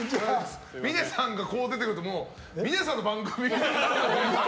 峰さんが、こう出てくるともう峰さんの番組みたいに。